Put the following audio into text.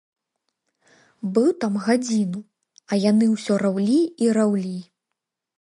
Быў там гадзіну, а яны ўсё раўлі і раўлі.